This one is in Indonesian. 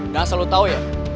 dan asal lo tau ya